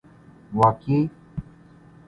واقعی